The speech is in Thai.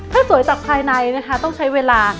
ถ้าสวยจากภายในนะคะต้องใช้เวลา